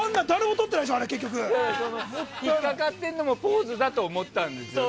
引っかかってるのもポーズなんだと思ったんでしょ。